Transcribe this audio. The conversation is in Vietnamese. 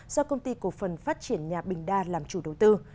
do công ty cổ phần phát triển nhà bình đa làm chủ đầu tư